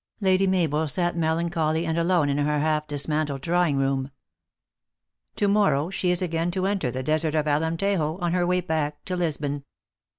Lady Mabel sat melancholy and alone in her half dismantled draw T ing room. To morrow, she is again to enter the desert of Alemtejo, on her way back to Lisbon.